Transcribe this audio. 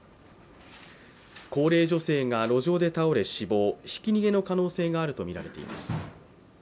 高齢女性が路上で倒れ死亡、ひき逃げの可能性がるとみられています。